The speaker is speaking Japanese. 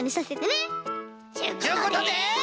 ちゅうことで！